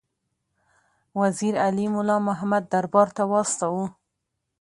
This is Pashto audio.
وزیر علي مُلا محمد دربار ته واستاوه.